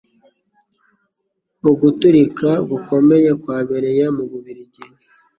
Uguturika gukomeye kwabereye mu Bubiligi